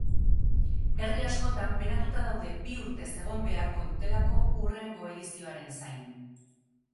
Herri askotan penatuta daude bi urtez egon beharko dutelako hurrengo edizioaren zain.